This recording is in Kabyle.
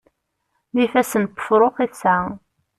D ifassen n wefṛux i tesɛa.